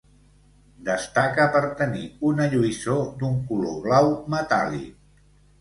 Destaca per tenir una lluïssor d'un color blau metàl·lic.